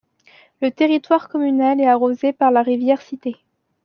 Le territoire communal est arrosé par la rivière Cité.